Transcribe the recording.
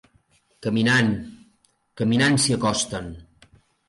Caminant, caminant s'hi acosten.